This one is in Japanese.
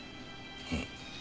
うん。